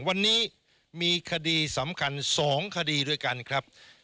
วันนี้มีคดีสำคัญ๒คดีด้วยกันครับ